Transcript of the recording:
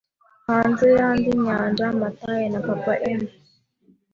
hanze yandi nyanja, matey, na papa 'em. ”